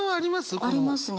この。ありますね。